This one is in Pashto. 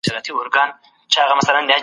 موږ د پرمختګ لپاره هڅه کوو.